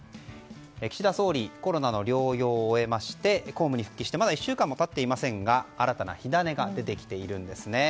岸田総理コロナの療養を終えまして公務に復帰してまだ１週間も経っていませんが新たな火種が出てきているんですね。